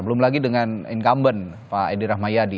belum lagi dengan incumbent pak edi rahmayadi